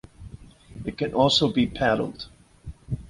It can also be paddled.